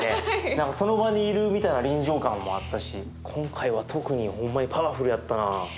何かその場にいるみたいな臨場感もあったし今回は特にほんまにパワフルやったな。